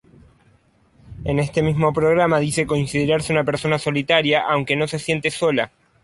En este mismo programa dice considerarse una persona solitaria, aunque no se siente sola.